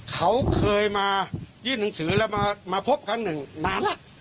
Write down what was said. เขาเคยมายื่นหนังสือแล้วมาพบครั้งหนึ่งนานแล้ว